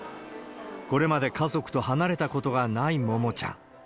これまで家族と離れたことがないももちゃん。